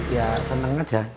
ya senang aja